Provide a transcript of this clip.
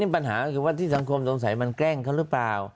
ปัญหาก็คือว่าที่สังคมสงสัยมันแกล้งเขาหรือเปล่า